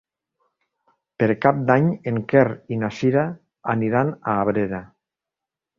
Per Cap d'Any en Quer i na Sira aniran a Abrera.